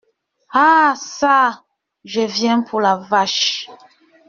Ah çà ! je viens pour la vache…